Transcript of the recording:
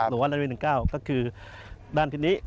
หัวลันเวย์๑๙ก็คือด้านทิศนี้